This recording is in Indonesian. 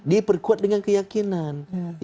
diperkuat dengan keyakinan